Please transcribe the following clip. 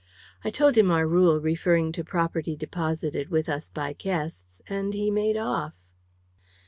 I told him our rule referring to property deposited with us by guests, and he made off."